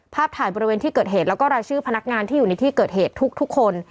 ถ่ายบริเวณที่เกิดเหตุแล้วก็รายชื่อพนักงานที่อยู่ในที่เกิดเหตุทุกคน